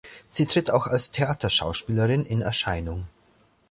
Sie tritt auch als Theaterschauspielerin in Erscheinung.